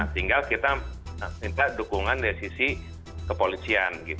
tinggal kita minta dukungan dari sisi kepolisian